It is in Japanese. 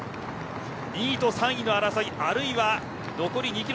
２位と３位の争いあるいは残り２キロ